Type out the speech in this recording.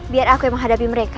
biar aku yang menghadapi mereka